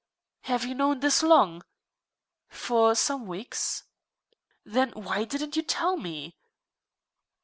"Have you known this long?" "For some weeks." "Then why didn't you tell me?"